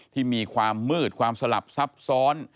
ที่มีความมืดความสลับซับซ้อน